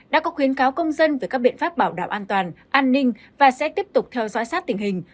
đã có khuyến cáo công dân về các biện pháp bảo đảm an toàn an ninh và sẽ tiếp tục theo dõi sát tình hình